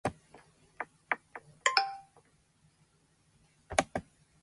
今何時だい